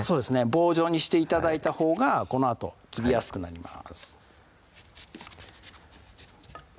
棒状にして頂いたほうがこのあと切りやすくなります